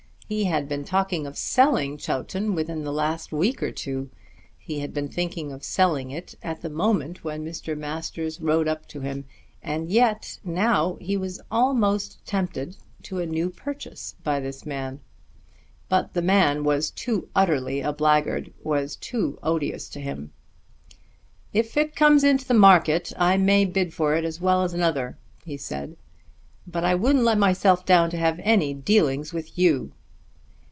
He had been talking of selling Chowton within the last week or two. He had been thinking of selling it at the moment when Mr. Masters rode up to him. And yet now he was almost tempted to a new purchase by this man. But the man was too utterly a blackguard, was too odious to him. "If it comes into the market, I may bid for it as well as another," he said, "but I wouldn't let myself down to have any dealings with you."